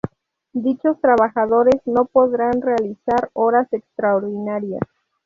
Dichos trabajadores no podrán realizar horas extraordinarias.